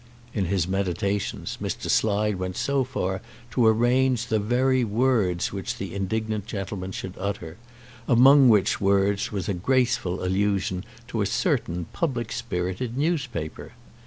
In his meditations Mr. Slide went so far as to arrange the very words which the indignant gentleman should utter, among which words was a graceful allusion to a certain public spirited newspaper.